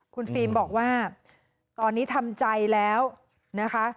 คุณฟิล์มบอกว่าตอนนี้ทำใจแล้วนะคะ